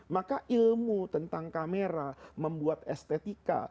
maka ilmu tentang kamera membuat estetika